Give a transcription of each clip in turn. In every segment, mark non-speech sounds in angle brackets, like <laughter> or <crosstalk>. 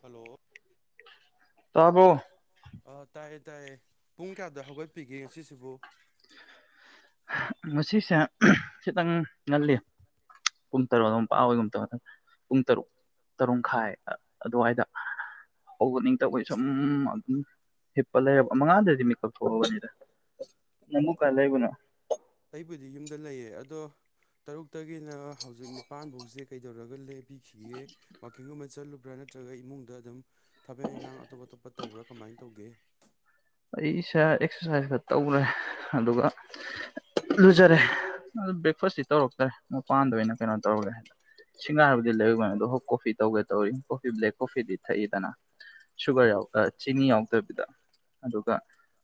Hello ꯇꯥꯕꯣ ꯑ ꯇꯥꯏꯌꯦ ꯇꯥꯏꯌꯦ ꯄꯨꯡ ꯀꯌꯥꯗ ꯍꯧꯒꯠꯄꯤꯒꯦ ꯉꯁꯤꯁꯤꯕꯨ ꯉꯁꯤꯁꯦ ꯈꯤꯇꯪ ꯉꯜꯂꯤ ꯄꯨꯡ ꯇꯔꯨꯛꯗꯣ ꯃꯄꯥ ꯑꯣꯏꯒꯨꯝ ꯄꯨꯡ ꯇꯔꯨꯛ ꯇꯔꯨꯈꯥꯏ ꯑꯗꯨꯋꯥꯏꯗ ꯍꯧꯒꯠꯅꯤꯡ ꯇꯧꯕꯩ ꯁꯨꯝ ꯑꯗꯨꯝ ꯍꯤꯞꯄ ꯂꯩꯔꯕ ꯃꯉꯥꯗꯗꯤ ꯃꯤꯀꯞ ꯊꯣꯛꯑꯕꯅꯤꯗ ꯅꯪꯕꯨꯨ ꯀꯥꯏ ꯂꯩꯕꯅꯣ ꯑꯩꯕꯨꯗꯤ ꯌꯨꯝꯗ ꯂꯩꯌꯦ ꯑꯗꯣ ꯇꯔꯨꯛ ꯇꯒꯤꯅ ꯍꯧꯖꯤꯛ ꯅꯤꯄꯥꯟꯐꯧꯖꯤ ꯀꯩꯗꯧꯔꯒ ꯂꯦꯟꯕꯤꯈꯤꯒꯦ ꯋꯥꯀꯤꯡꯒꯨꯝꯕ ꯆꯠꯂꯨꯕ꯭ꯔꯥ ꯅꯠꯇ꯭ꯔꯒ ꯏꯃꯨꯡꯗ ꯑꯗꯨꯝ ꯊꯕꯛ ꯏꯪꯈꯥꯡ ꯑꯇꯣꯞ ꯑꯇꯣꯞꯄ ꯇꯧꯕ꯭ꯔꯥ ꯀꯃꯥꯏ ꯇꯧꯒꯦ ꯑꯩꯁꯦ ꯑꯦꯛꯁꯔꯁꯥꯏꯁ ꯈ ꯇꯧꯈ꯭ꯔꯦ ꯑꯗꯨꯒ ꯂꯨꯖꯔꯦ ꯑꯗꯨ ꯕ꯭ꯔꯦꯛꯐꯥꯁꯇꯤ ꯇꯧꯔꯛꯇꯔꯦ ꯃꯄꯥꯟꯗ ꯑꯣꯏꯅ ꯀꯩꯅꯣ ꯇꯧꯔꯒꯦ ꯍꯥꯏ ꯁꯤꯡꯒꯥꯏꯔꯕꯗꯤ ꯂꯩꯔꯨꯕꯅꯤ ꯑꯗꯣ ꯍꯣꯞ ꯀꯣꯐꯤ ꯇꯧꯒꯦ ꯇꯧꯔꯤ ꯀꯣꯐꯤ ꯕ꯭ꯂꯦꯛ ꯀꯣꯐꯤꯗꯤ ꯊꯛꯏꯗꯅ ꯁꯨꯒꯔ ꯆꯤꯅꯤ ꯌꯥꯎꯗꯕꯤꯗ ꯑꯗꯨꯒ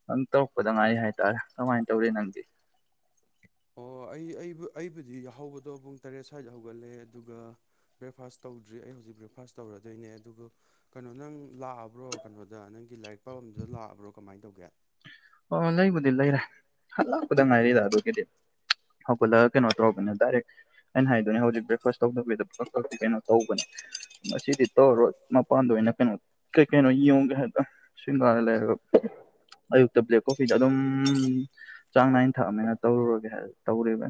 ꯅꯪ ꯇꯧꯔꯛꯄꯗ ꯉꯥꯏ ꯍꯥꯏꯇꯥꯔꯦ ꯀꯃꯥꯏꯅ ꯇꯧꯔꯤ ꯅꯪꯗꯤ ꯑꯣ ꯑꯩ ꯑꯩꯕꯨ ꯑꯩꯕꯨꯗꯤ ꯌꯥꯍꯧꯕꯗꯣ ꯄꯨꯡ ꯇꯔꯦꯠ ꯁ꯭ꯋꯥꯏꯗ ꯍꯧꯒꯠꯂꯦ ꯑꯗꯨꯒ ꯕ꯭ꯔꯦꯛꯐꯥꯁ ꯇꯧꯗ꯭ꯔꯤ ꯑꯩ ꯍꯧꯖꯤꯛ ꯕ꯭ꯔꯦꯛꯐꯥꯁ ꯇꯧꯔꯗꯣꯏꯅꯦ ꯑꯗꯨꯒ ꯀꯩꯅꯣ ꯅꯪ ꯂꯥꯛꯑꯕ꯭ꯔꯣ ꯀꯩꯅꯣꯗ ꯅꯪꯒꯤ ꯂꯥꯏꯔꯤꯛ ꯄꯥꯕꯗꯨꯗ ꯂꯥꯛꯑꯕ꯭ꯔꯣ ꯀꯃꯥꯏꯅ ꯇꯧꯒꯦ ꯑꯣ ꯂꯩꯕꯨꯗꯤ ꯂꯩꯔꯦ ꯂꯥꯛꯄꯗ ꯉꯥꯏꯔꯤꯗ ꯑꯗꯨꯒꯤꯗꯤ ꯍꯧꯒꯠꯂꯒ ꯀꯩꯅꯣ ꯇꯧꯕꯅꯦ ꯗꯥꯏꯔꯦꯛ ꯑꯩꯅ ꯍꯥꯏꯗꯣꯏꯅꯦ ꯍꯧꯖꯤꯛ ꯕ꯭ꯔꯦꯛꯐꯥꯁ ꯇꯧꯗꯕꯤꯗ ꯀꯩꯅꯣ ꯇꯧꯕꯅꯦ ꯃꯁꯤꯗꯤ ꯇꯧꯔꯔꯣ ꯃꯄꯥꯟꯗ ꯑꯣꯏꯅ ꯀꯩꯅꯣ ꯀꯩ ꯀꯩꯅꯣ ꯌꯦꯡꯒꯦ ꯍꯥꯏꯗ ꯁ꯭ꯒꯥꯗ ꯂꯩꯔꯒ ꯑꯌꯨꯛꯇ ꯕ꯭ꯂꯦꯛ ꯀꯣꯐꯤꯗ ꯑꯗꯨꯝ ꯆꯥꯡ ꯅꯥꯏꯅ ꯊꯛꯑꯅꯤꯅ ꯇꯧꯔꯨꯔꯒꯦ ꯇꯧꯔꯤꯕ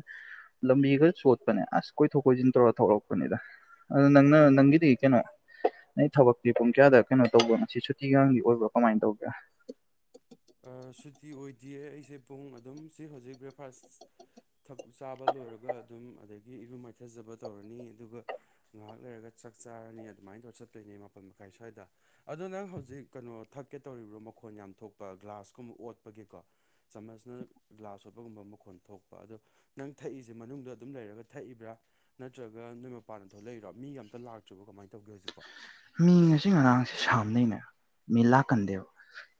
ꯂꯝꯕꯤ ꯈꯔ ꯁꯣ ꯆꯠꯄꯅꯦ ꯑꯁ ꯀꯣꯏꯊꯣꯛ ꯀꯣꯏꯁꯤꯟ ꯇꯧꯔ ꯊꯣꯛꯂꯛꯄꯅꯤꯗ ꯑꯗꯨ ꯅꯪꯅ ꯅꯪꯒꯤꯗꯤ ꯀꯩꯅꯣ ꯅ ꯊꯕꯛꯇꯤ ꯄꯨꯡ ꯀꯌꯥꯗ ꯀꯩꯅꯣ ꯇꯧꯕꯣ ꯉ ꯁꯤ ꯁꯨꯇꯤꯒꯒꯤ ꯑꯣꯏꯕ꯭ꯔꯣ ꯀꯃꯥꯏꯅ ꯇꯧꯒꯦ ꯁꯨꯇꯤ ꯑꯣꯏꯗꯌꯦ ꯑꯩꯁꯦ ꯄꯨꯡ ꯑꯗꯨꯝ ꯁꯤ ꯍꯧꯖꯤꯛ ꯕ꯭ꯔꯦꯛꯐꯥꯁꯛ ꯆꯥꯕ ꯂꯣꯏꯔꯒ ꯑꯗꯨꯝ ꯑꯗꯒꯤ ꯒꯤ ꯏꯔꯨ ꯃꯥꯏꯊꯖꯕ ꯇꯧꯔꯅꯤ ꯑꯗꯨꯒ ꯉꯥꯏꯍꯥꯛ ꯂꯩꯔꯒ ꯆꯥꯛ ꯆꯥꯔꯅꯤ ꯑꯗꯨꯃꯥꯏꯅ ꯇꯧꯔ ꯆꯠꯇꯣꯏꯅꯦ ꯃꯥꯄꯜ ꯃꯈꯥꯏ ꯁ꯭ꯋꯥꯏꯗ ꯑꯗꯣ ꯅꯪ ꯍꯧꯖꯤꯛ ꯀꯩꯅꯣ ꯊꯛꯀꯦ ꯇꯧꯔꯤꯕ꯭ꯔꯣ ꯃꯈꯣꯟ ꯌꯥꯝ ꯊꯣꯛꯄ ꯒ꯭ꯂꯥꯁꯀꯨꯝꯕ ꯑꯣꯠꯄꯒꯤꯀꯣ ꯆꯥꯃꯁꯅ ꯒ꯭ꯂꯥꯁ ꯑꯣꯠꯄꯒꯨꯝꯕ ꯃꯈꯣꯟ ꯊꯣꯛꯄ ꯑꯗꯣ ꯅꯪ ꯊꯛꯏꯁꯦ ꯃꯅꯨꯡꯗ ꯑꯗꯨꯝ ꯂꯩꯔꯒ ꯊꯛꯏꯕ꯭ꯔꯥ ꯅꯠꯇ꯭ꯔꯒ ꯅꯣꯏ ꯃꯄꯥꯟꯗ ꯊꯣꯛꯂꯛꯏꯔꯣ ꯃꯤ ꯑꯃꯇ ꯂꯥꯛꯇ꯭ꯔꯤꯕꯣ ꯀꯃꯥꯏꯅ ꯇꯧꯒꯦ ꯍꯧꯖꯤꯛꯄꯣ ꯃꯤ ꯉꯁꯤ ꯉꯔꯥꯡꯁꯦ ꯁꯝꯅꯩꯅꯦ ꯃꯤ ꯂꯥꯛꯀꯟꯗꯦꯕ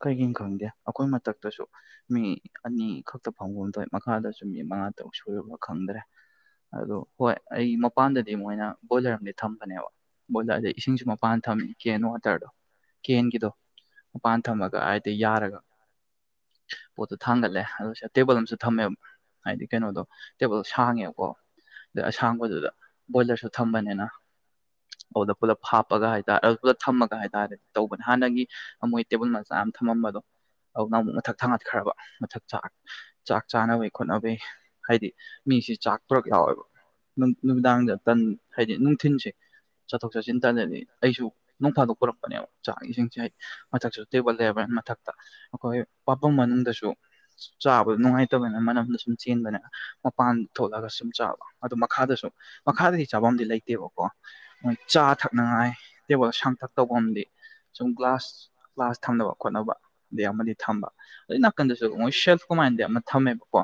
ꯀꯔꯤꯒꯤꯅꯣ ꯈꯪꯗꯦ ꯑꯩꯈꯣꯏ ꯃꯊꯛꯇꯁꯨ ꯃꯤ ꯑꯅꯤ ꯈꯛꯇ ꯐꯪꯕ ꯑꯃ ꯊꯣꯛꯏ ꯃꯈꯥꯗꯁꯨ ꯃꯤ ꯃꯉꯥ ꯇꯔꯨꯛ ꯁꯨꯔ ꯈꯪꯗ꯭ꯔꯦ ꯑꯗꯣ ꯍꯣꯏ ꯑꯩ ꯃꯄꯥꯟꯗꯗꯤ ꯃꯣꯏꯅ ꯕꯣꯏꯂꯔ ꯑꯃꯗꯤ ꯊꯝꯕꯅꯦꯕ ꯕꯣꯏꯂꯔ ꯑꯗꯩ ꯏꯁꯤꯡꯁꯨ ꯃꯄꯥꯟ ꯊꯝꯃꯤ ꯀꯦꯟ ꯋꯥꯇꯔꯗꯣ ꯀꯦꯟꯒꯤꯗꯣ ꯃꯄꯥꯟ ꯊꯝꯃꯒ ꯇꯤ ꯌꯥꯔꯒ ꯄꯣꯠꯇꯣ ꯊꯥꯡꯒꯠꯂꯦ ꯑꯗꯨꯗ ꯇꯦꯕꯜ ꯑꯃꯁꯨ ꯊꯝꯃꯦꯕ ꯍꯥꯏꯗꯤ ꯀꯩꯅꯣꯗꯣ ꯇꯦꯕꯜꯗꯣ ꯁꯥꯡꯉꯦꯕꯀꯣ ꯑꯗ ꯑꯁꯥꯡꯕꯗꯨꯗ ꯕꯣꯏꯂꯔꯁꯨ ꯊꯝꯕꯅꯤꯅ ꯑꯗꯨꯗ ꯄꯨꯂꯞ ꯍꯥꯞ ꯍꯥꯏꯔꯦ ꯊꯝꯃ ꯍꯥꯏꯔ ꯇꯧꯕꯅꯦ ꯍꯥꯟꯅꯒꯤ ꯃꯣꯏ ꯇꯦꯕꯜ ꯃꯆꯥ ꯑꯃ ꯊ ꯑꯗꯨꯅ ꯑꯃꯨꯛ ꯃꯊꯛ ꯊꯥꯡꯒꯠꯈ꯭ꯔꯕ ꯃꯊꯛꯥꯛ ꯆꯥꯛ ꯆꯥꯅꯕꯩ ꯈꯣꯠꯅꯅꯕꯩ ꯍꯥꯏꯗꯤ ꯃꯤꯁꯤ ꯆꯥꯛ ꯄꯨꯔꯛ ꯌꯥꯎꯋꯦꯕ ꯅꯨꯃꯤꯗꯥꯡꯗ ꯇꯟ ꯍꯥꯏꯗꯤ ꯅꯨꯡꯊꯤꯟꯁꯦ ꯆꯠꯊꯣꯛ ꯆꯠꯁꯤꯟ ꯇꯜꯂꯅꯤ ꯑꯩꯁꯨ ꯅꯣꯡꯊꯥꯗ ꯄꯨꯔꯛꯄꯅꯦꯕ ꯆꯥꯛ ꯏꯁꯤꯡꯁꯦ ꯑꯩ ꯃꯊꯛꯁꯨ ꯇꯦꯕꯜ ꯂꯩꯕ ꯃꯊꯛꯇ ꯑꯩꯈꯣꯏ ꯄꯥꯐꯝ ꯃꯅꯨꯡꯗꯁꯨ ꯆꯥꯕꯗ ꯅꯨꯡꯉꯥꯏꯇꯕꯅ ꯃꯅꯝꯗ ꯁꯨꯝ ꯆꯦꯟꯕꯅꯦ ꯃꯄꯥꯟ ꯊꯣꯛꯂꯒ ꯁꯨꯝ ꯆꯥꯕ ꯑꯗꯨ ꯃꯈꯥꯗꯁꯨ ꯃꯈꯥꯗꯗꯤ ꯆꯥꯐꯝꯗꯤ ꯂꯩꯇꯦꯕꯀꯣ ꯃꯣꯏ ꯆꯥ ꯊꯛꯅꯉꯥꯏ ꯇꯦꯕꯜ ꯁꯥꯡꯊꯛ ꯇꯧꯕ ꯑꯃꯗꯤꯝꯗꯤ ꯁꯨꯝ ꯒ꯭ꯂꯥꯁ ꯒ꯭ꯂꯥꯁ ꯊꯝꯗꯅꯕ ꯈꯣꯠꯅꯕ ꯑꯗꯩ ꯑꯃꯗꯤ ꯊꯝꯕ ꯑꯗꯩ ꯅꯥꯀꯟꯗꯁꯨ ꯃꯣꯏ ꯁꯦꯜꯐ ꯀꯃꯥꯏꯅꯗꯤ ꯑꯃ ꯊꯝꯃꯦꯕꯀꯣ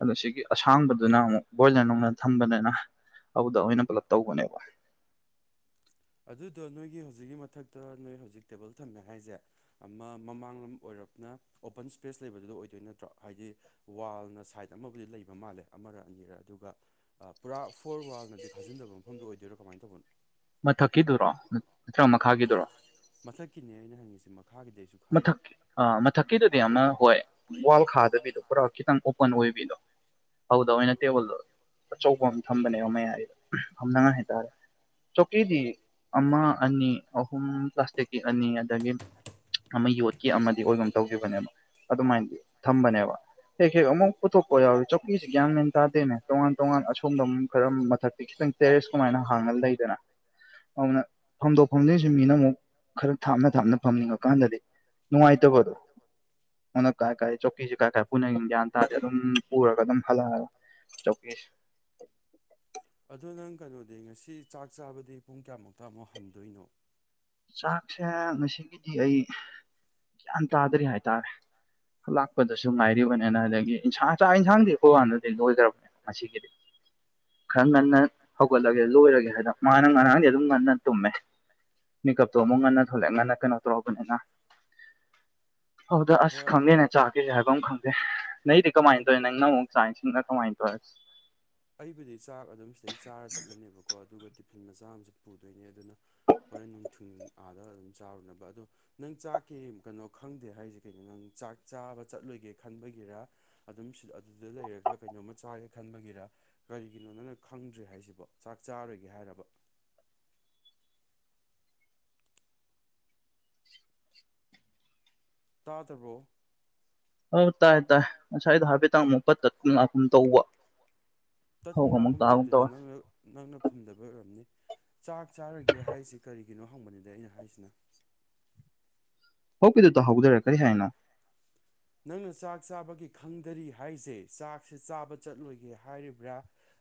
ꯑꯗꯣ ꯁꯤꯒꯤ ꯑꯁꯥꯡꯕꯗꯨꯅ ꯑꯃꯨꯛ ꯕ꯭ꯔꯣꯏꯂꯔ ꯅꯨꯡꯅ ꯊꯝꯕꯅꯤꯅ ꯑꯗꯨꯗ ꯑꯣꯏꯅ ꯄꯨꯂꯞ ꯇꯧꯕꯅꯦꯕ ꯑꯗꯣ ꯅꯣꯏꯒꯤ ꯍꯧꯖꯤꯛꯀꯤ ꯃꯊꯛꯇ ꯅꯣꯏ ꯍꯧꯖꯤꯛ ꯇꯦꯕꯜ ꯊꯝꯃꯦꯦ ꯍꯥꯏꯁꯦ ꯑꯃ ꯃꯃꯥꯡ ꯂꯝ ꯑꯣꯏꯔꯞꯅ ꯑꯣꯄꯟ ꯁ꯭ꯄꯦꯁ ꯂꯩꯕꯗꯨꯗ ꯑꯣꯏꯗꯣꯏ ꯅꯠꯇ꯭ꯔꯣ ꯍꯥꯏꯗꯤ ꯋꯥꯜꯅ ꯁꯥꯏꯠ ꯑꯃꯕꯨꯗꯤ ꯂꯩꯕ ꯃꯥꯜꯂꯦ ꯑꯃꯔ ꯑꯅꯤꯔ ꯑꯗꯨꯒ ꯄꯨꯔꯥ ꯐꯣꯔ ꯋꯥꯔꯅꯗꯤ ꯐꯥꯖꯤꯟꯗꯕ ꯃꯐꯝꯗꯨꯣ ꯑꯣꯏꯗꯣꯏꯔꯣ ꯀꯃꯥꯏꯅ ꯇꯧꯕꯅꯣ ꯈꯔ ꯃꯈꯥꯒꯤꯗꯔꯣ ꯃꯊꯛꯀꯤꯅꯦ ꯑꯩꯅ ꯍꯪꯉꯤꯁꯤ ꯃꯊꯛꯀꯤ ꯑꯥ ꯃꯊꯛꯀꯤꯗꯨꯗꯤ ꯑꯃ ꯍꯣꯏ ꯋꯥꯜ ꯈꯥꯗꯕꯤꯗꯣ ꯄꯨꯔꯥ ꯈꯤꯇꯪ ꯑꯣꯄꯟ ꯑꯣꯏꯕꯤꯗꯣ ꯑꯗꯨꯗ ꯑꯣꯏꯅ ꯇꯦꯕꯜꯗꯣ ꯑꯆꯧꯕ ꯑꯃ ꯊꯝꯕꯅꯦꯕ ꯃꯌꯥꯒꯤꯗꯣ ꯊꯝꯅꯉꯥꯏ ꯍꯥꯏꯇꯥꯔꯦ ꯆꯧꯀꯤꯗꯤ ꯑꯃ ꯑꯅꯤ ꯑꯍꯨꯝ ꯄ꯭ꯂꯥꯁꯇꯤꯛꯀꯤ ꯑꯅꯤ ꯑꯗꯒꯤ ꯑꯃ ꯌꯣꯠꯀ ꯑꯃꯗꯤ ꯑꯣꯏꯒꯨꯝ ꯇꯧꯖꯈꯤꯕꯕꯅꯦꯕ ꯑꯗꯨꯃꯥꯏꯅꯗꯤ ꯊꯝꯕꯅꯦꯕ ꯍꯦꯛ ꯍꯦꯛ ꯑꯃꯨꯛ ꯄꯨꯊꯣꯛꯄ ꯌꯥꯎꯔꯦ ꯆꯧꯀꯤꯁꯤ ꯒꯌꯥꯡꯦꯟ ꯆꯥꯗꯦꯅꯦ ꯇꯣꯉꯥꯟ ꯇꯣꯉꯥꯟ ꯑꯁꯣꯝꯕ ꯈꯔ ꯃꯊꯛꯇꯤ ꯈꯤꯇꯪ ꯇꯦꯔꯦꯁ ꯀꯃꯥꯏꯅ ꯍꯥꯡꯉ ꯂꯩꯗꯅ ꯑꯗꯨꯅ ꯐꯝꯗꯣꯛ ꯐꯝꯗꯁꯤ ꯃꯤꯅ ꯑꯃꯨꯛ ꯈꯔ ꯊꯥꯞꯅ ꯊꯥꯞꯅ ꯐꯝꯅꯤꯡꯉꯀꯥꯟꯗꯗꯤ ꯅꯨꯡꯉꯥꯏꯇꯕꯗꯣ ꯃꯅ ꯀꯥꯏ ꯀꯥꯏ ꯆꯧꯀꯤꯁꯦ ꯀꯥꯏ ꯀꯥꯏ ꯄꯨꯅꯒ ꯒ꯭ꯌꯥꯟ ꯇꯥꯔꯗꯤ ꯑꯗꯨꯝ ꯄꯨꯔꯒ ꯑꯗꯨꯝ ꯍꯜꯂꯛꯑꯒ ꯑꯗꯨꯗ ꯅꯪ ꯀꯩꯅꯣꯗꯤ ꯉꯁꯤ ꯆꯥꯛ ꯆꯥꯕꯗꯤ ꯄꯨꯡ ꯀꯌꯥꯃꯨꯛꯇ ꯑꯃꯨꯛ ꯍꯟꯗꯣꯏꯅꯣ ꯆꯥꯛꯁꯦ ꯉꯁꯤꯒꯤꯗꯤ ꯑꯩ ꯒ꯭ꯌꯥꯟ ꯇꯥꯗ꯭ꯔꯤ ꯍꯥꯏꯇꯥꯔꯦ ꯂꯥꯛꯄꯗꯁꯨ ꯉꯥꯏꯔꯤꯅ ꯑꯗꯒꯤꯟꯁꯥꯡ ꯆꯥꯛ ꯌꯦꯟꯁꯥꯡꯗꯤ ꯑꯩꯈꯣꯏ ꯋꯥꯥꯟꯗꯗꯤ ꯂꯣꯏꯈ꯭ꯔꯕꯅꯦꯕ ꯉꯁꯤꯒꯤꯗꯤ ꯈꯔ ꯉꯟꯅ ꯍꯧꯒꯠꯂꯒꯦ ꯂꯣꯏꯔꯒꯦ ꯍꯥꯏꯗꯣ ꯃꯥꯅ ꯉꯔꯥꯡꯗꯤ ꯑꯗꯨꯝ ꯉꯟꯅ ꯇꯨꯝꯃꯦ ꯣ ꯑꯃꯨꯛ ꯉꯟꯅ ꯊꯣꯛꯂꯛꯑ ꯉꯟꯅ ꯀꯩꯅꯣ ꯇꯧꯔꯕꯅꯤꯅ ꯍꯗ ꯑꯁ ꯈꯪꯗꯦꯅꯦ ꯆꯥꯈꯤꯁꯦ ꯍꯥꯏꯕ ꯑꯃ ꯈꯪꯗꯦ ꯅꯪꯗꯤ ꯀꯃꯥꯏꯅ ꯇꯧꯔꯤꯦ ꯅꯪꯅꯪ ꯑꯃꯨꯛ ꯆꯥꯁꯤꯡꯅ ꯀꯃꯥꯏꯅ ꯇꯧꯔꯦꯁ ꯆꯍꯤ ꯆꯥꯔ ꯆꯠꯂꯅꯦꯕꯀꯣ ꯑꯗꯨꯒ ꯇꯤꯐꯤꯟ ꯃꯆꯥ ꯑꯃꯁꯨ ꯄꯨꯗꯣꯏꯅꯦ ꯑꯗꯨꯅ ꯍꯣꯔꯦꯟ ꯅꯨꯡꯊꯤꯟ ꯑꯥꯗ ꯑꯗꯨꯝ ꯆꯥꯔꯨꯅꯕ ꯑꯗꯣ ꯅꯪ ꯆꯥꯛꯀꯦ ꯀꯩꯅꯣ ꯈꯪꯗꯦ ꯍꯥꯏꯁꯦ ꯀꯩꯅꯣ ꯅꯪ ꯆꯥꯛ ꯆꯥꯕ ꯆꯠꯂꯣꯏꯒꯦ ꯈꯟꯕꯒꯤꯔ ꯑꯗꯨꯝ ꯑꯗꯨꯗ ꯂꯩꯔꯒ ꯀꯩꯅꯣꯝꯃ ꯆꯥꯒꯦ ꯈꯟꯕꯒꯤꯔ ꯀꯔꯤꯒꯤꯅꯣ ꯅꯪ ꯈꯪꯗ꯭ꯔꯤ ꯍꯥꯏꯁꯤꯕꯣ ꯆꯥꯛ ꯆꯥꯔꯣꯏꯒꯦ ꯍꯥꯏꯔꯕ ꯇꯥꯗꯕꯔꯣ ꯑꯥꯎ ꯇꯥꯏ ꯇꯥꯏ ꯉꯁꯥꯏꯗꯣ ꯍꯥꯏꯐꯦꯠꯇꯥꯡ <unintelligible> ꯀꯨꯝ ꯇꯧꯕ ꯇꯠꯀꯨꯝ ꯂꯥꯛꯀꯨꯝ ꯇꯧꯗꯦꯗ ꯅꯪꯅ ꯅꯪꯅ ꯈꯨꯝꯗꯕ ꯑꯣꯏꯔꯝꯅꯤ ꯆꯥꯛ ꯆꯥꯔꯣꯏꯒꯦ ꯍꯥꯏꯔꯤꯁꯤ ꯀꯔꯤꯒꯤꯅꯣ ꯍꯪꯕꯅꯤꯗ ꯑꯩꯅ ꯍꯥꯏꯁꯤꯅ ꯍꯎꯀꯤꯗꯨ ꯇꯧꯍꯧꯗꯔꯦ ꯀꯔꯤ ꯍꯥꯏꯅꯣ ꯅꯪꯅ ꯆꯥꯛ ꯆꯥꯕꯒꯤ ꯈꯪꯗꯔꯤ ꯍꯥꯏꯁꯦ ꯆꯥꯛꯁꯦ ꯆꯥꯕ ꯆꯠꯂꯣꯏꯒꯦ ꯍꯥꯏꯔꯤꯕ꯭ꯔꯥ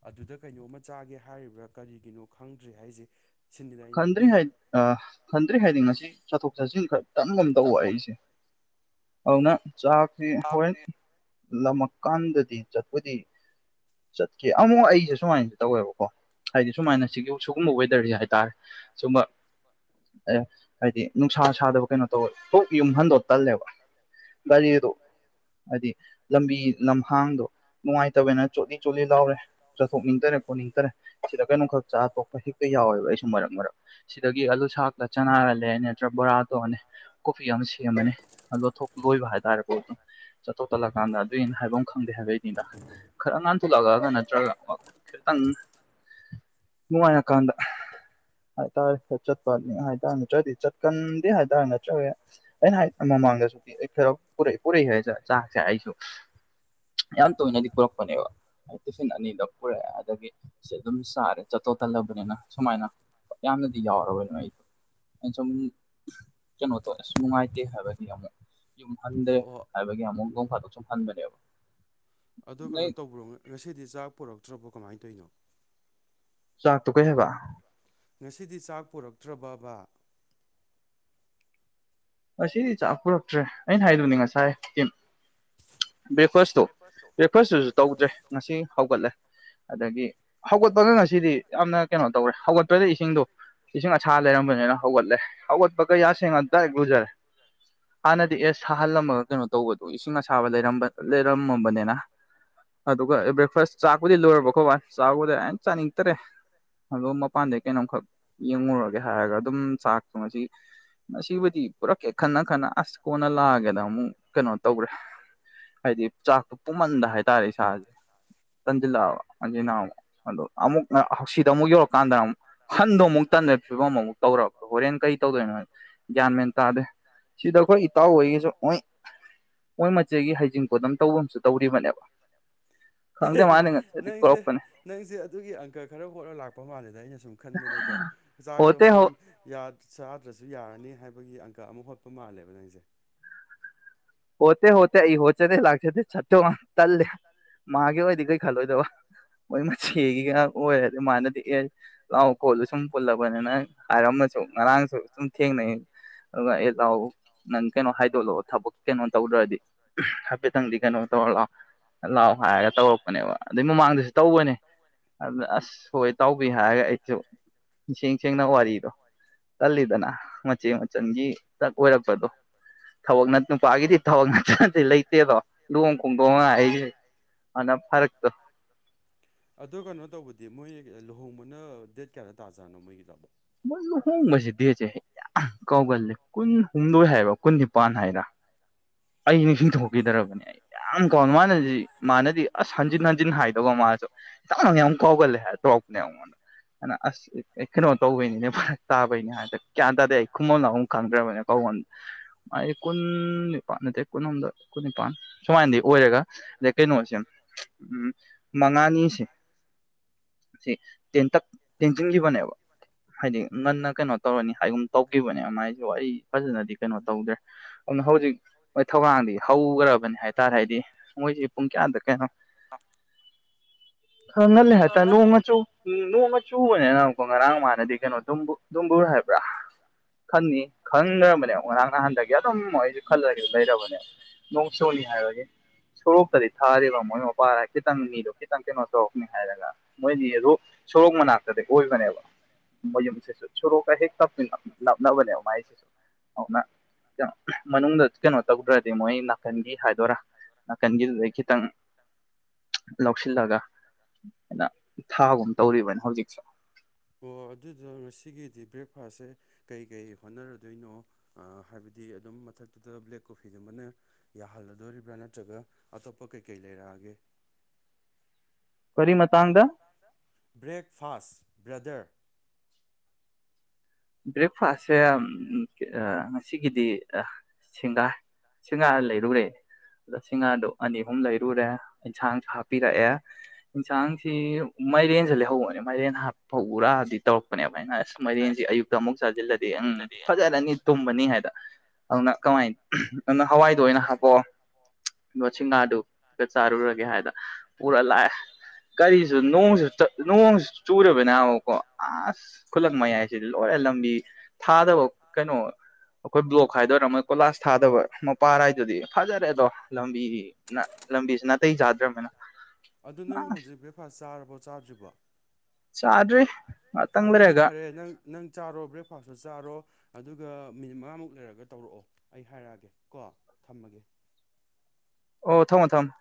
ꯑꯗꯨꯗ ꯀꯩꯅꯣꯝꯃ ꯆꯥꯒꯦ ꯍꯥꯏꯔꯤꯕ꯭ꯔꯥ ꯀꯔꯤꯒꯤꯅꯣ ꯈꯪꯗ꯭꯭ꯔꯤ ꯍꯥꯏꯁꯦ ꯈꯟꯗ꯭ꯔꯤ ꯍꯥꯏ ꯑ ꯈꯟꯗꯔꯤ ꯍꯥꯏꯗꯤ ꯉꯁꯤ ꯆꯇꯣꯛ - ꯆꯥꯁꯤꯟ ꯇꯪ ꯝ ꯇꯧꯕ ꯋꯥ ꯑꯩꯁꯦ ꯫ ꯑꯧꯅ ꯆꯥꯛꯇꯤ ꯍꯣꯔꯦꯟ ꯂꯃꯛꯀꯥꯟꯗꯗꯤ ꯆꯠꯄꯨꯗꯤ ꯆꯠꯀꯦ ꯑꯃꯨꯛ ꯑꯩꯁꯦ ꯁꯨꯃꯥꯏꯅꯁꯨ ꯇꯧꯋꯦꯕꯀꯣ ꯍꯥꯏꯗꯤ ꯁꯨꯃꯥꯏꯅ ꯁꯤꯒꯤ ꯁꯨꯒꯨꯝꯕ ꯋꯦꯗꯔꯁꯦ ꯍꯥꯏꯇꯥꯔꯦ ꯫ ꯁꯨꯝꯕ ꯑ ꯍꯥꯏꯗꯤ ꯁꯥ ꯁꯥꯗꯕ ꯀꯩꯅꯣ ꯇꯧꯋꯦ ꯄꯣꯛ ꯌꯨꯝꯍꯟꯗꯣ ꯇꯜꯂꯦꯕ ꯒꯥꯔꯤꯗꯣ ꯍꯥꯏꯗꯤ ꯂꯝꯕꯤ ꯂꯝꯍꯥꯡꯗꯣ ꯅꯨꯡꯉꯥꯏꯇꯕꯅ ꯆꯣꯠꯂꯤ ꯆꯣꯠꯂꯤ ꯂꯥꯎꯔꯦ ꯆꯠꯊꯣꯛꯅꯤꯡꯇꯔꯦ ꯈꯣꯠꯅꯤꯡꯇꯔꯦ ꯁꯤꯗ ꯀꯩꯅꯣ ꯈꯛ ꯆꯥ ꯇꯣꯛꯄ ꯍꯦꯛꯇ ꯌꯥꯎꯋꯦꯕ ꯑꯩ ꯃꯔꯛ - ꯃꯔꯛ ꯁꯤꯗꯒꯤ ꯑꯥꯂꯨ ꯁꯥꯛꯀꯥ ꯆꯅꯥꯒ ꯂꯩꯔꯅꯤ ꯅꯠꯇ꯭ꯔꯒ ꯕꯣꯔꯥ ꯇꯧꯔꯅꯤ ꯀꯣꯐꯤ ꯑꯃ ꯁꯦꯝꯃꯅꯤ ꯂꯣꯊꯣꯛ ꯂꯣꯏꯕ ꯍꯥꯏꯇꯥꯔꯦꯀꯣ ꯑꯗꯨꯝ ꯆꯠꯇꯣ ꯇꯜꯂꯀꯥꯟꯗ ꯑꯗꯨꯏꯅ ꯍꯥꯏꯕꯝ ꯈꯪꯗꯦ ꯍꯥꯏꯕꯒꯤꯅꯤꯗ ꯈꯔꯅ ꯊꯣꯛꯂꯛꯑꯒ ꯅꯠꯇ꯭ꯔꯒ ꯈꯤꯇꯪ ꯅꯨꯡꯉꯥꯏꯔꯀꯥꯟꯗ ꯍꯥꯏꯇꯥꯔꯦ ꯆꯠꯄꯅꯤ ꯍꯥꯏꯇꯥꯔꯦ ꯅꯠꯇ꯭ꯔꯗꯤ ꯆꯠꯀꯟꯗꯦ ꯍꯥꯏꯇꯥꯔꯦ ꯅꯠꯇ꯭ꯔ ꯑꯩꯅ ꯃꯃꯥꯡꯗꯁꯨꯗꯤ ꯑꯩ ꯈꯔ ꯄꯨꯔꯛꯏ ꯍꯥꯏꯁꯦ ꯆꯥꯛꯁꯦ ꯑꯩꯁꯨ ꯌꯥꯝ ꯇꯣꯏꯅꯗꯤ ꯄꯨꯔꯛꯄꯅꯦꯕ ꯇꯤꯐꯤꯟ ꯑꯅꯤꯗ ꯄꯨꯔꯛꯑꯦ ꯑꯗꯒꯤ ꯁꯤ ꯑꯗꯨꯝ ꯆꯥꯔꯦ ꯆꯠꯇꯧ ꯇꯜꯂꯕꯅꯤꯅ꯫ ꯁꯨꯃꯥꯏꯅ ꯌꯥꯝꯅꯗꯤ ꯌꯥꯎꯔꯔꯣꯏꯅ ꯑꯩꯁꯨꯝ ꯀꯩꯅꯣ ꯇꯧꯋꯦ ꯑꯁ ꯅꯨꯡꯉꯥꯏꯇꯦ ꯍꯥꯏꯕꯒꯤ ꯑꯃꯨꯛ ꯌꯨꯝ ꯍꯟꯗꯔꯦ ꯍꯥꯏꯕꯒꯤ ꯑꯃꯨꯛ ꯑꯗꯨꯝ ꯐꯥꯗꯣꯛ ꯁꯨꯝ ꯍꯟꯕꯅꯦꯕꯥ ꯑꯗꯣ ꯀꯩꯅꯣ ꯇꯧꯕꯔꯣ ꯉꯁꯤꯗꯤ ꯆꯥꯛ ꯄꯨꯔꯛꯇ꯭ꯔꯕꯣ? ꯀꯃꯥꯏ ꯇꯧꯏꯅꯣ? ꯆꯥꯛꯇꯨ ꯀꯩ ꯍꯥꯏꯕ ꯉꯁꯤꯗꯤ ꯆꯥꯛ ꯄꯨꯔꯛꯇ꯭ꯔꯕꯕ? ꯉꯁꯤꯗꯤ ꯆꯥꯛ ꯄꯨꯔꯛꯇ꯭ꯔꯦ ꯑꯩꯅ ꯍꯥꯏꯗꯨꯅꯤ ꯉꯁꯥꯏ ꯇꯝ ꯕ꯭ꯔꯦꯛꯐꯥꯁꯇꯣ ꯕ꯭ꯔꯦꯛꯐꯥꯁꯇꯨꯁꯨ ꯇꯧꯗ꯭ꯔꯦ ꯉꯁꯤ ꯍꯧꯒꯠꯂꯦ ꯑꯗꯒꯤ ꯍꯧꯒꯠꯄꯒ ꯉꯁ ꯁꯤꯗꯤ ꯌꯥꯝꯅ ꯀꯩꯅꯣ ꯇꯧꯔꯦ ꯍꯧꯒꯠꯄꯗꯩꯩ ꯏꯁꯤꯡꯗꯣ ꯏꯁꯤꯡ ꯑꯁꯥ ꯂꯩꯔꯝꯕꯅꯤꯅ ꯍꯧꯒꯠꯂꯦ ꯍꯧꯒꯠꯄ ꯀ ꯌꯥ ꯁꯦꯡꯅ ꯗꯥꯏꯔꯦꯛ ꯂꯨꯖꯔꯦ꯫ ꯍꯥꯟꯅꯗꯤ ꯑꯦꯁ ꯁꯥꯍꯜꯂꯝꯃꯒ ꯀꯩꯅꯣ ꯇꯧꯕꯗꯣ ꯏꯁꯤꯡ ꯑꯁꯥꯕ ꯂꯩꯔꯝꯕ ꯂꯩꯔꯝꯃꯕꯅꯤꯅ ꯑꯗꯨꯒ ꯕ꯭ꯔꯦꯛꯐꯥꯁ ꯆꯥꯛꯄꯨꯗꯤ ꯂꯣꯏꯔꯕ ꯈꯣꯕꯅꯆꯥꯛꯄꯨꯗꯤ ꯆꯥꯅꯤꯡꯇꯔꯦ ꯑꯗꯣ ꯃꯄꯥꯟꯗꯒꯤ ꯀꯩꯅꯣꯝꯈꯛ ꯌꯦꯡꯉꯨꯔꯒꯦ ꯍꯥꯏꯔꯒ ꯑꯗꯨꯝ ꯆꯥꯛꯁꯨ ꯉꯁꯤ ꯉꯁꯤꯕꯨꯗꯤ ꯄꯨꯔꯛꯀꯦ ꯈꯟꯅ - ꯈꯟꯅ ꯑꯁ ꯀꯣꯟꯅ ꯂꯥꯛꯑꯒꯦꯗ ꯑꯃꯨꯛ ꯀꯩꯅꯣ ꯇꯧꯈ꯭ꯔꯦ ꯍꯥꯏꯗꯤ ꯆꯥꯛꯇꯣ ꯄꯨꯨꯝꯃꯟꯗ ꯍꯥꯏꯇꯥꯔꯦ ꯏꯁꯥꯁꯦ ꯇꯟꯁꯤꯜꯂꯛꯑꯕ ꯍꯟꯖꯤꯅꯥꯕ ꯑꯗꯣ ꯑꯃꯨꯛ ꯍꯛꯁꯤꯗ ꯑꯃꯨꯛ ꯌꯧꯔꯛꯀꯥꯟꯗ ꯑꯃꯨꯛ ꯍꯟꯗꯣ ꯑꯃꯨꯛ ꯇꯟꯗꯕꯒꯤ ꯐꯤꯕꯝ ꯑꯃꯃꯨꯛ ꯇꯧꯔꯛꯔꯕ ꯍꯣꯔꯦꯟ ꯀꯔꯤ ꯇꯧꯗꯣꯏꯅꯣ ꯒ꯭ꯌꯥꯟ ꯃꯦꯟ ꯇꯥꯗꯦ ꯁꯤꯗ ꯑꯩꯈꯣꯏ ꯏꯇꯥꯎ ꯑꯣꯏꯒꯤꯁꯨ ꯃꯣꯏ ꯃꯣꯏ ꯃꯆꯦꯒꯤ ꯍꯩꯖꯤꯡꯄꯣꯠ ꯑꯝ ꯇꯧꯕ ꯑꯃꯁꯨ ꯇꯧꯔꯤꯕꯅꯦꯕ ꯈꯪꯗꯦ ꯃꯥꯅꯤ ꯉꯁꯥꯏꯗꯤ ꯀꯧꯔꯛꯄꯅꯦ꯫ ꯍꯣꯠꯂ ꯂꯥꯛꯄ ꯃꯥꯜꯂꯤꯗ ꯑꯩꯅ ꯁꯨꯝ ꯈꯟꯕꯗꯀꯣ ꯆꯥꯛꯇꯣ ꯍꯣꯔꯦꯟ ꯌꯥ ꯆꯥꯗ꯭ꯔꯁꯨ ꯌꯥꯔꯅꯤ ꯍꯥꯏꯕꯒꯤ ꯑꯪꯀ ꯑꯃ ꯍꯣꯠꯄ ꯃꯥꯜꯂꯦꯕ ꯅꯪꯁꯦ꯫ ꯍꯣꯠꯇꯦ ꯍꯣꯠꯇꯦ ꯑꯩ ꯍꯣꯠꯆꯗꯦ ꯂꯥꯛꯆꯗꯦ ꯆꯠꯇꯣ ꯒ ꯇꯜꯂꯦ ꯃꯥꯒꯤ ꯑꯣꯏꯗꯤ ꯀꯩ ꯈꯜꯂꯣꯏꯗꯕ ꯃꯣꯏ ꯃꯆꯦꯒꯤꯒ ꯑꯣꯏꯔꯗꯤ ꯃꯥꯅꯗꯤ ꯑꯦ ꯂꯥꯛꯑꯣ ꯈꯣꯠꯂꯨ ꯁꯨꯝ ꯄꯨꯜꯂꯕꯅꯤ ꯅ ꯍꯥꯏꯔꯝꯃꯁꯨ ꯉꯔꯥꯡꯁꯨ ꯁꯨꯝ ꯊꯦꯡꯅꯩ ꯑꯗꯨꯒ ꯑꯦ ꯂꯥꯛꯑꯣ ꯅꯪ ꯀꯩꯅꯣ ꯍꯥꯏꯗꯣꯛꯂꯛꯑꯣ ꯊꯕꯛ ꯀꯩꯅꯣ ꯇꯧꯗ꯭ꯔꯗꯤ ꯍꯥꯏꯐꯦꯠꯇꯪꯗꯤ ꯀꯩꯅꯣ ꯇꯧꯔ ꯂꯥꯛꯑꯣ ꯂꯥꯛꯑꯣ ꯫ ꯍꯥꯏꯔꯒ ꯇꯧꯔꯛꯄꯅꯦꯕ ꯑꯗꯩ ꯃꯃꯥꯡꯗꯁꯨ ꯇꯧꯕꯅꯦ ꯑꯗꯨꯗ ꯑꯁ ꯍꯣꯏ ꯇꯥꯎꯕꯤ ꯍꯥꯏꯔꯒ ꯑꯩꯁꯨ ꯏꯁꯦꯡ ꯁꯦꯡꯅ ꯋꯥꯔꯤꯗꯣ ꯀꯜꯂꯤꯗꯅ ꯃꯆꯦ ꯃꯆꯟꯒꯤ ꯗꯛ ꯑꯣꯏꯔꯛꯄꯗꯣ ꯊꯕꯛ ꯅꯨꯄꯥꯒꯤꯗꯤ ꯊꯕꯛ ꯅꯇꯅꯗꯤ ꯂꯩꯇꯦꯗꯣ ꯂꯨꯍꯣꯡ ꯈꯣꯡꯗꯣꯡꯉ ꯑꯩꯁꯦ ꯑꯅ ꯐꯔꯛ ꯇꯣ ꯑꯗꯨꯕꯨꯗꯤ ꯃꯣꯏ ꯂꯨꯍꯣꯡꯕꯅ ꯗꯦꯠ ꯀꯌꯥꯗ ꯇꯥ ꯖꯥꯠꯅꯣ ꯃꯣꯏꯒꯤꯗꯣ ꯃꯣꯏ ꯂꯨꯍꯣꯡꯕꯁꯤ ꯗꯦꯠꯁꯦ ꯌꯥꯝ ꯀꯥꯎꯒꯂꯦ ꯀꯨꯟꯍꯨꯝꯗꯣꯏ ꯍꯥꯏꯕ ꯀꯨꯟ ꯅꯤꯄꯥꯟ ꯍꯥꯏꯔ ꯑꯩ ꯅꯤꯡꯁꯤꯡꯊꯣꯛ ꯈꯤꯗ꯭ꯔꯕꯅꯦ ꯑꯩ ꯌꯥꯝ ꯀꯥꯎ ꯃꯥꯅꯗꯤ ꯃꯥꯅꯗꯤ ꯑꯁ ꯍꯟꯖꯤꯟ ꯍꯟꯖꯤꯟ ꯍꯥꯏꯗꯒ ꯃꯥꯁꯨ ꯇꯥꯡ ꯌꯥꯝ ꯀꯥꯎꯒꯜꯂꯦ ꯇꯣꯛꯞꯅꯦꯅ ꯑꯅ ꯑꯩꯈꯣꯏꯅꯤꯅꯦ ꯐꯔ ꯆꯥꯕꯩꯅꯤ ꯍꯥꯏꯕꯗꯦ ꯀ꯭ꯌꯥꯟ ꯇꯥꯗꯦ ꯑꯩ ꯈꯨꯃꯝ ꯂꯨ ꯈꯪꯗ꯭ꯔꯕꯅꯤ ꯀꯗ ꯑꯩ ꯀꯨꯟ ꯅꯤꯄꯥꯟ ꯅꯠꯇꯦ ꯀꯨꯟꯍꯣꯨꯝꯗ ꯀꯨꯟ ꯅꯤꯄꯥꯟ ꯁꯨꯃꯥꯏꯅꯗꯤ ꯑꯣꯏꯔꯒ ꯑꯗꯩ ꯀꯩꯅꯣꯁꯦ ꯎ ꯃꯉꯥꯅꯤꯁꯦ ꯁꯤ ꯇꯦꯟꯇꯛ ꯇꯦꯟꯁꯤꯟꯈꯤꯕꯅꯦꯕ ꯍꯥꯏꯗꯤ ꯉꯟꯅ ꯀꯩꯅꯣ ꯇꯧꯔꯅꯤ ꯍꯥꯏꯒꯨꯝ ꯇꯧꯈꯤꯕꯅꯦ ꯃꯥꯏꯁꯨ ꯑꯩ ꯐꯖꯅꯗꯤ ꯀꯩꯅꯣ ꯇꯧꯗ꯭ꯔꯦ ꯑꯗꯨꯅ ꯍꯧꯖꯤꯛ ꯃꯣꯏ ꯊꯧꯔꯥꯡꯗꯤ ꯍꯧꯈ꯭ꯔꯕꯅꯤ ꯍꯥꯏꯇꯥꯔꯦ ꯍꯥꯏꯗꯤ ꯃꯣꯏꯁꯤ ꯄꯨꯡ ꯀꯌꯥꯗ ꯀꯩꯅꯣ ꯍꯪꯉ ꯂꯩꯦ ꯍꯥꯏ ꯅꯣꯡ ꯃꯆꯨ ꯅꯣꯡ ꯃꯆꯨꯕꯅꯦ ꯨꯡ ꯉꯔꯥꯡ ꯃꯥꯔꯦ ꯗꯤ ꯀꯩꯅꯣ ꯗꯨꯝꯕꯨꯔ ꯗꯨꯝꯕꯨꯔ ꯍꯥꯏꯕ꯭ꯔꯥ ꯈꯟꯅꯤ ꯈꯟꯈ꯭ꯔꯕꯅꯦ ꯉꯔꯥꯡ ꯅꯍꯥꯟꯗꯒꯤ ꯑꯗꯨꯝ ꯑꯩꯁꯨ ꯈꯜꯂꯒꯁꯨ ꯂꯩꯔꯕꯅꯦꯕ ꯅꯣꯡꯁꯨꯨꯅꯤ ꯍꯥꯏꯔꯒꯤ ꯁꯣꯔꯣꯛꯇꯗꯤ ꯊꯥꯔꯤꯕ ꯃꯣꯏ ꯃꯄꯥꯗ ꯈꯤꯇꯪ ꯃꯤꯗꯣ ꯈꯤꯇꯪ ꯀꯩꯅꯣ ꯇꯧꯔꯛꯅꯤ ꯍꯥꯏꯔꯒ ꯃꯣꯏꯗꯤ ꯑꯗꯨ ꯁꯣꯔꯣꯛ ꯃꯅꯥꯛꯇꯗꯤ ꯑꯣꯏꯕꯅꯦꯕ ꯃꯌꯨꯝꯁꯤ ꯁꯨꯔꯣꯛ ꯀ ꯇꯞ ꯂꯞ ꯅꯥꯞꯅꯕ ꯃꯥꯏꯁꯤꯁꯨꯅ ꯃꯅꯨꯡꯗ ꯀꯩꯅꯣ ꯇꯧꯗ꯭ꯔꯗꯤ ꯃꯣꯏ ꯅꯥꯀꯟꯒꯤ ꯍꯥꯏꯗꯣꯏꯔꯥ ꯅꯥꯀꯟꯒꯤꯗꯨꯗꯩ ꯈꯤꯇꯪ ꯂꯧꯁꯤꯜꯂꯒ ꯑꯩꯅ ꯊꯥꯒꯨꯝ ꯇꯧꯔꯤꯕꯅꯤ ꯍꯧꯖꯤꯛꯁꯦ ꯑꯗꯨꯗꯨ ꯉꯁꯤꯒꯤꯗꯤ ꯕ꯭ꯔꯦꯛꯐꯥꯁꯁꯦ ꯀꯩ ꯀꯩ ꯍꯣꯠꯅꯔꯗꯣꯏꯅꯣ ꯍꯥꯏꯕꯗꯤ ꯑꯗꯨꯝ ꯃꯊꯛꯇꯨꯗ ꯕ꯭ꯂꯦꯛ ꯀꯣꯐꯤꯗꯨꯃꯅ ꯌꯥꯍꯜꯂꯗꯣꯔꯤꯕ꯭ꯔꯥ ꯅꯠꯇ꯭ꯔꯒ ꯑꯇꯣꯞꯄ ꯀꯩꯀꯩ ꯂꯩꯔꯛꯑꯒꯦ ꯀꯔꯤ ꯃꯇꯥꯡꯗ ꯕ꯭ꯔꯦꯛꯐꯥꯁ ꯕ꯭ꯔꯗꯔ ꯕ꯭ꯔꯦꯛꯐꯥꯁꯁꯦ ꯉꯁꯤꯒꯤꯗꯤ ꯁꯦꯡꯒꯥ ꯁꯦꯡꯒꯥ ꯂꯩꯔꯨꯔꯦ ꯑꯗꯣ ꯁꯦꯡꯒꯥꯗꯣ ꯑꯅꯤ ꯑꯍꯨꯝ ꯂꯩꯔꯨꯔꯦ ꯏꯟꯁꯥꯡꯁꯨ ꯍꯥꯞꯄꯤꯔꯛꯑꯦ ꯌꯦꯟꯁꯥꯡꯁꯤ ꯃꯥꯏꯔꯦꯟꯁꯨ ꯂꯩꯍꯧꯕꯅꯦ ꯃꯥꯏꯔꯦꯟ ꯍꯥꯞꯍꯧꯕ꯭ꯔꯗꯤ ꯇꯧꯔꯛꯄꯅꯦꯕ ꯑꯩꯅ ꯃꯔꯤꯟꯌ ꯑꯃꯨꯛ ꯆꯥꯖꯤꯜꯂꯗꯤ ꯎꯝ ꯐꯖꯔꯅꯤ ꯇꯨꯝꯃꯅꯤ ꯍꯥꯏ ꯑꯗꯨꯅ ꯀꯃꯥꯏꯅꯤ ꯑꯗꯨꯅ ꯍꯋꯥꯏ ꯗꯣ ꯑꯣꯏꯅ ꯍꯥꯞꯄꯛꯑꯣ ꯅꯣꯠ ꯁꯤꯡꯒꯥꯗꯨꯀ ꯆꯥꯔꯨꯔꯒꯦ ꯍꯥꯏꯗ ꯄꯨꯔ ꯂꯥꯛꯑꯦ ꯀꯔꯤꯁꯨ ꯅꯣꯡꯁꯨ ꯅꯣꯡꯁꯨ ꯆꯨꯔꯕꯅꯀꯣ ꯑꯁ ꯈꯨꯠꯂꯛ ꯃꯌꯥꯏꯁꯤ ꯂꯣꯏꯔꯦ ꯂꯝꯕꯤ ꯊꯥꯗꯕ ꯀꯩꯅꯣ ꯑꯩꯈꯣꯏ ꯕ꯭ꯂꯣꯛ ꯍꯥꯏꯗꯣꯏꯔ ꯑꯃ ꯀꯣꯏꯂꯥꯁ ꯊꯥꯗꯕ ꯃꯄꯥꯟ ꯍꯥꯏꯗꯨꯗꯤ ꯐꯖꯔꯦ ꯑꯗꯣ ꯂꯝꯕꯤ ꯂꯝꯕꯤꯁꯤ ꯅꯥꯇꯩ ꯆꯥꯗ꯭ꯔꯅꯤꯅ ꯋꯥ ꯆꯥꯗꯔꯤ ꯃ ꯇꯪꯔꯦꯒ ꯅꯪ ꯆꯥꯔꯣ ꯕ꯭ꯔꯦꯛꯐꯥꯁꯁꯨ ꯆꯥꯔꯣ ꯑꯗꯨꯒ ꯃꯤꯅꯤꯠ ꯃꯉꯥꯃꯨꯛ ꯂꯩꯔꯒ ꯇꯧꯔꯛꯑꯣ ꯑꯩ ꯍꯥꯏꯔꯛꯑꯒꯦ ꯀꯣ ꯊꯝꯃꯒꯦ ꯑꯣ ꯊꯝꯃꯣ ꯊꯝꯃꯃꯦꯣ